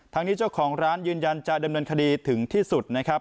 ทางนี้เจ้าของร้านยืนยันจะดำเนินคดีถึงที่สุดนะครับ